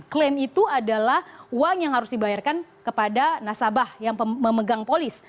klaim itu adalah uang yang harus dibayarkan kepada nasabah yang memegang polis